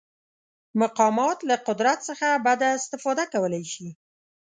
مقامات له قدرت څخه بده استفاده کولی شي.